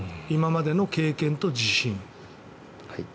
今までの経験と自信。